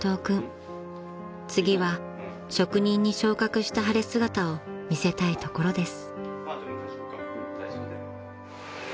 ［次は職人に昇格した晴れ姿を見せたいところです］